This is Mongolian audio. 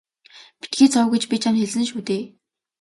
Битгий зов гэж би чамд хэлсэн шүү дээ.